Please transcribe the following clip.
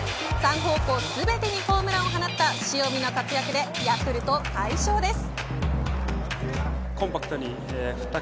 ３方向全てにホームランを放った塩見の活躍でヤクルト快勝です。